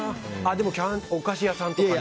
でも、お菓子屋さんとかね。